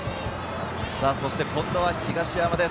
そして今度は東山です。